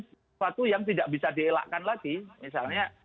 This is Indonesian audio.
sesuatu yang tidak bisa dielakkan lagi misalnya